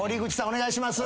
お願いします。